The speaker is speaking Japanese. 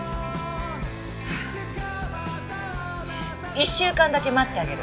１週間だけ待ってあげる。